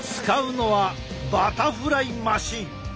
使うのはバタフライマシン。